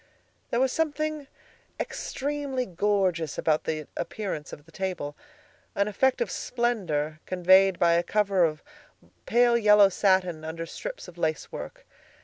There was something extremely gorgeous about the appearance of the table, an effect of splendor conveyed by a cover of pale yellow satin under strips of lace work.